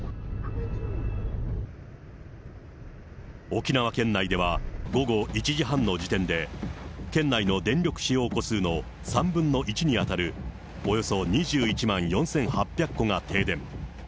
沖縄県内では、午後１時半の時点で、県内の電力使用戸数の３分の１に当たるおよそ２１万４８００戸が停電。